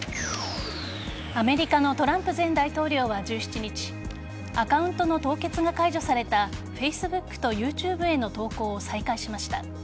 アメリカのトランプ前大統領は１７日アカウントの凍結が解除されたＦａｃｅｂｏｏｋとＹｏｕＴｕｂｅへの投稿を再開しました。